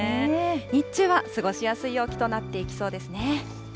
日中は過ごしやすい陽気となっていきそうですね。